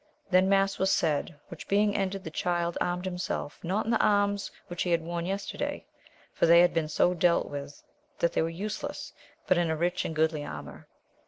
Then mass was said, which being ended, the Child armed himself, not in the arms which he had worn yes terday, for they had been so dealt with that they were useless, but in a rich and goodly armour.